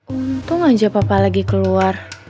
untung aja papa lagi keluar